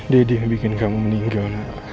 dede yang bikin kamu meninggal